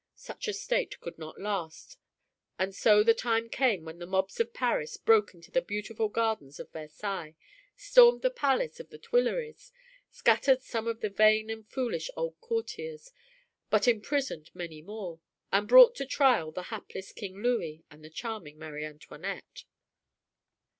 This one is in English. Such a state could not last, and so the time came when the mobs of Paris broke into the beautiful gardens of Versailles, stormed the Palace of the Tuilleries, scattered some of the vain and foolish old courtiers, but imprisoned many more, and brought to trial the hapless King Louis and the charming Marie Antoinette.